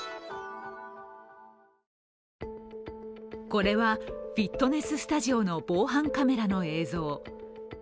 これはフィットネススタジオの防犯カメラの映像。